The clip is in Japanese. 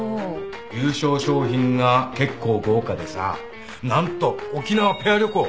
優勝賞品が結構豪華でさ何と沖縄ペア旅行。